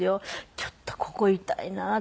ちょっとここ痛いなって。